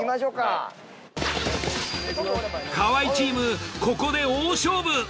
河合チームここで大勝負。